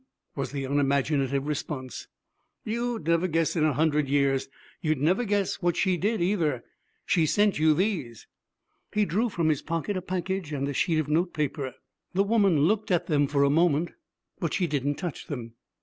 was the unimaginative response. 'You'd never guess in a hundred years. You'd never guess what she did, either. She sent you these.' He drew from his pocket a package and a sheet of notepaper. The woman looked at them for a moment, but she didn't touch them.